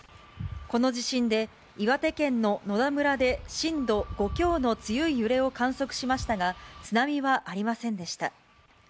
この地震で、岩手県の野田村で震度５強の強い揺れを観測しましたが、津波はありませんでした。